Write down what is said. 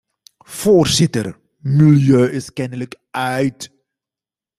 Voorzitter, milieu is kennelijk uit.